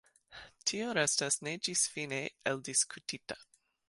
Tio restas ne ĝisfine eldiskutita.